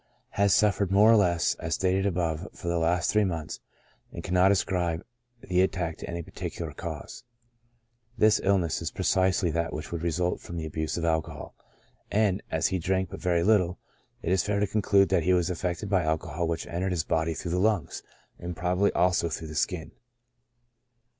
Has suffered more or less, as stated above, for the last three months, and cannot ascribe the attack to any particular cause. This illness is precisely that which would result from the abuse of alcohol ; and, as he drank but very little, it is fair to conclude that he was affected by alcohol which entered his body through the lungs, and probably also through the skin.